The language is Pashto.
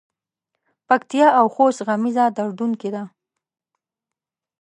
پکتیکا او خوست غمیزه دردوونکې ده.